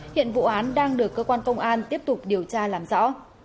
hiện vụ án đang được cơ quan công an tiếp tục điều tra làm rõ